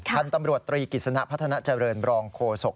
พันธุ์ตำรวจตรีกิจสนะพัฒนาเจริญรองโฆษก